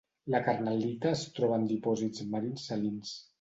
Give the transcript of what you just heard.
La carnal·lita es troba en dipòsits marins salins.